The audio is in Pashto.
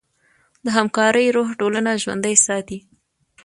د همکارۍ روح ټولنه ژوندۍ ساتي.